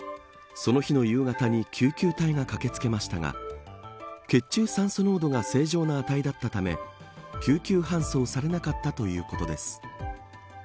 その日の夕方に救急隊が駆け付けましたが血中酸素濃度が正常な値だったため救急搬送されなかったということです。